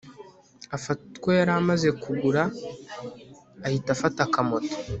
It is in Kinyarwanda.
afata utwo yari amaze kugura ahita afata akamoto